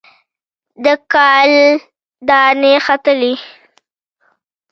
د کال دانې ختلي